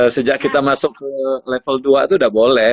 sejak kita masuk ke level dua itu sudah boleh